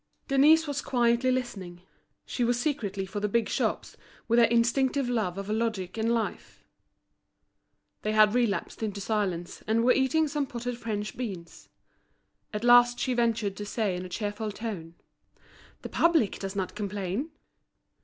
Denise was quietly listening. She was secretly for the big shops, with her instinctive love of logic and life. They had relapsed into silence, and were eating some potted French beans. At last she ventured to say in a cheerful tone: "The public does not complain."